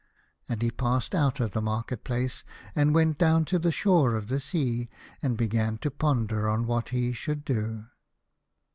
And he passed out of the market place, and went down to the shore of the sea, and began to ponder on what he should do.